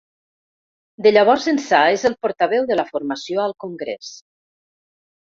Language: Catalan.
De llavors ençà és el portaveu de la formació al congrés.